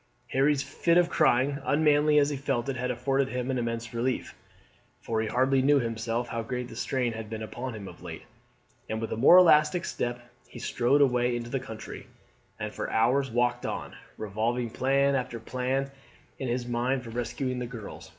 Harry's fit of crying, unmanly as he felt it, had afforded him an immense relief, for he hardly knew himself how great the strain had been upon him of late, and with a more elastic step he strode away into the country, and for hours walked on, revolving plan after plan in his mind for rescuing the girls.